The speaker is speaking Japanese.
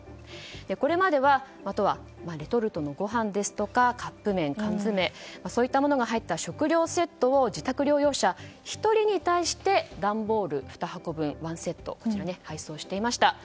これまでは都はレトルトのご飯ですとかカップ麺、缶詰が入った食料セットを自宅療養者１人に対して段ボール２箱分、１セットを配送していました。